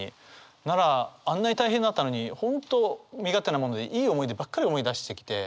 ならあんなに大変だったのに本当身勝手なものでいい思い出ばっかり思い出してきて。